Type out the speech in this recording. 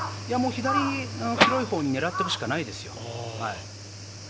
左の広いほうを狙っていくしかないですよ。